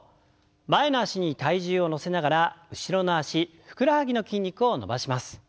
前の脚に体重を乗せながら後ろの脚ふくらはぎの筋肉を伸ばします。